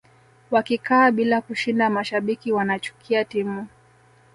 wakikaa bila kushinda mashabiki wanachukia timu